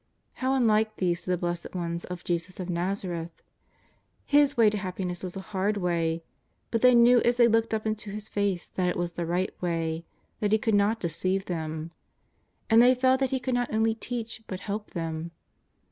How unlike these to the blessed ones of Jesus of ITazareth! His way to hap piness was a hard way, but they knew as they looked up into His face that it was the right way, that He could not deceive them. And they felt that He could not only teach but help them.